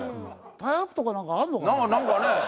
タイアップとかなんかあるのかな？